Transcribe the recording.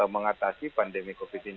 mengatasi pandemi covid sembilan belas